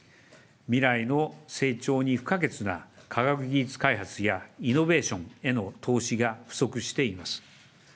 未来の成長に不可欠な科学技術開発やイノベーションへの投資が不足しています。